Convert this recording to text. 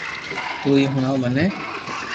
تو ھي ھڻاو مني